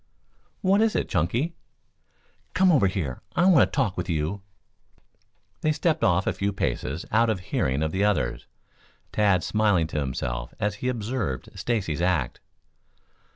"What is it, Chunky?" "Come over here, I want to talk with you." They stepped off a few paces out of hearing of the others, Tad smiling to himself as he observed Stacy's act.